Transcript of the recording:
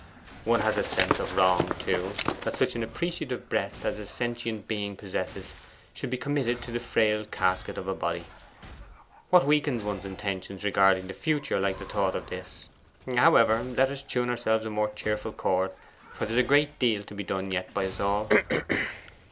'One has a sense of wrong, too, that such an appreciative breadth as a sentient being possesses should be committed to the frail casket of a body. What weakens one's intentions regarding the future like the thought of this?...However, let us tune ourselves to a more cheerful chord, for there's a great deal to be done yet by us all.